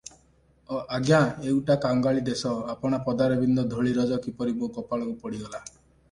ଅଜ୍ଞା ଏଉଟା ତ କାଙ୍ଗାଳି ଦେଶ, ଆପଣା ପଦାରବିନ୍ଦ ଧୂଳିରଜ କିପରି ମୋ କପାଳକୁ ପଡ଼ିଗଲା ।